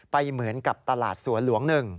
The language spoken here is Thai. ไปเหมือนกับตลาดสวรล้วงหนึ่ง